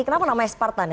kenapa namanya spartan ya